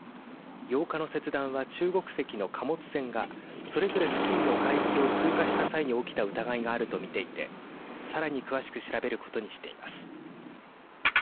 ８日の切断は中国籍の貨物船がそれぞれ付近の海域を通過した際に起きた疑いがあると見ていてさらに詳しく調べることにしています。